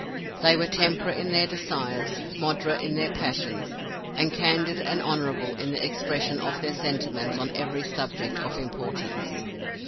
They were temperate in their desires, moderate in their passions, and candid and honorable in the expression of their sentiments on every subject of importance.